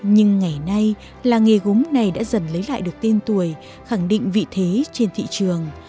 nhưng ngày nay làng nghề gốm này đã dần lấy lại được tên tuổi khẳng định vị thế trên thị trường